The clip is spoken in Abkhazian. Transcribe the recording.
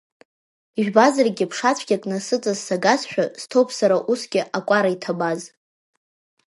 Ижәбазаргьы ԥша цәгьак насыҵас сагазшәа, сҭоуп сара усгьы акәара иҭабаз.